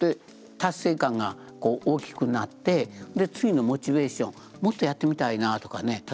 達成感がこう大きくなってで次のモチベーションもっとやってみたいなとかね